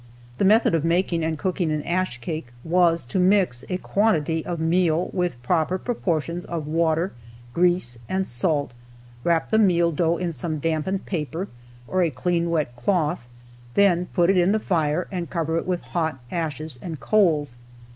The method of making and cooking an ash cake was to mix a quantity of meal with proper proportions of water, grease, and salt, wrap the meal dough in some dampened paper, or a clean, wet cloth, then put it in the fire and cover it with hot ashes and coals.